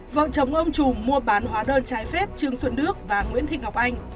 vợ chồng ông chủ mua bán hóa đơn trái phép trương xuân đức và nguyễn thị ngọc anh